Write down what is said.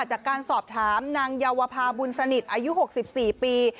จากการสอบถามนางเยาวภาบุญสนิทอายุ๖๔ปี